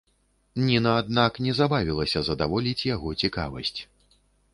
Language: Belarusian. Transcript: Ніна, аднак, не забавілася здаволіць яго цікавасць.